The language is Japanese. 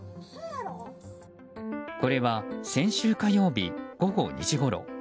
これは先週火曜日午後２時ごろ